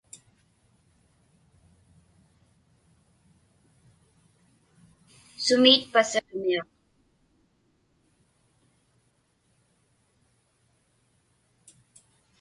Sumiitpa Siġmiaq?